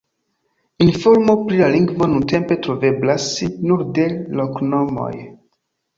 Informo pri la lingvo nuntempe troveblas nur de loknomoj.